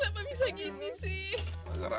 apa bahan biasa